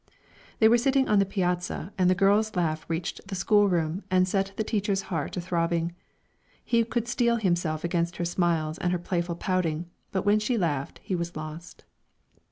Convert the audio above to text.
They were sitting on the piazza, and the girl's laugh reached the schoolroom and set the teacher's heart to throbbing. He could steel himself against her smiles and her playful pouting, but when she laughed, he was lost.